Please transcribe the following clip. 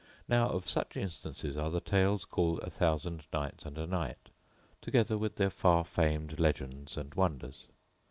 Now of such instances are the tales called "A Thousand Nights and a Night," together with their far famed legends and wonders.